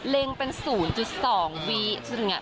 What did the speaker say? เล็งเป็นศูนย์จุดสองวิคือเป็นอย่างเงี้ย